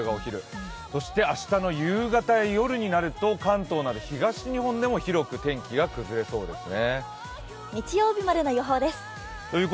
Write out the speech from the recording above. そして明日の夕方、夜になると関東でも東日本でも広く天気が崩れそうですね。